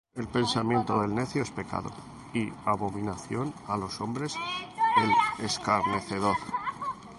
El pensamiento del necio es pecado: Y abominación á los hombres el escarnecedor.